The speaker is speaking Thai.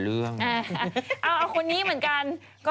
เอาคนนี้เหมือนกัน